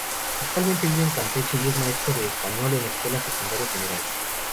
Actualmente vive en Campeche y es maestro de español en la Esc.Sec.Gral.